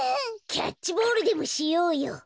キャッチボールでもしようよ！